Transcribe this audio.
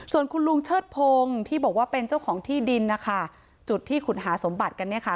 ส่วนคุณลุงเชิดพงศ์ที่บอกว่าเป็นเจ้าของที่ดินนะคะจุดที่ขุดหาสมบัติกันเนี่ยค่ะ